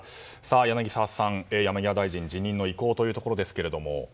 柳澤さん、山際大臣が辞任の意向というところですけども。